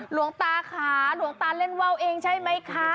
หลวงตาค่ะหลวงตาเล่นว่าวเองใช่ไหมคะ